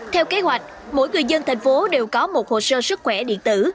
theo kế hoạch mỗi người dân thành phố đều có một hồ sơ sức khỏe điện tử